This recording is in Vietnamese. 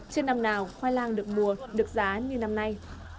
trên năm nào khoai lang được mùa được giá như năm nay